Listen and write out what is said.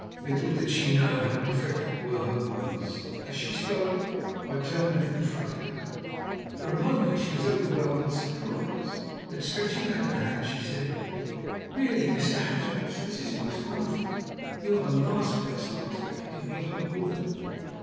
Little did she know how prophetic were her words. As she spoke I turned and confronted her. For a moment she was overwhelmed with surprise, then, stretching out her hand, she said: "Really, Mr. Hatteras, this is most wonderful. You are the last person I expected to meet on board."